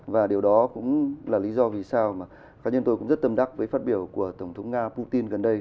và điều đó cũng là lý do vì sao mà cá nhân tôi cũng rất tâm đắc với phát biểu của tổng thống nga putin gần đây